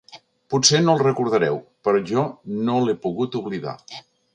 Potser no el recordareu, però jo no l'he pogut oblidar.